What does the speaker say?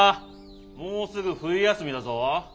もうすぐ冬休みだぞ。